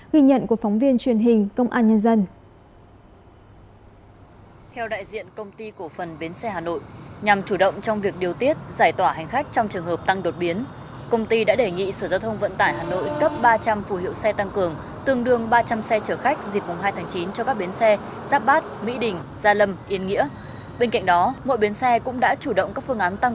ghi nhận của phóng viên truyền hình công an nhân dân